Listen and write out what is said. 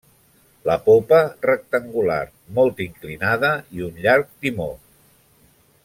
La popa rectangular, molt inclinada, i un llarg timó.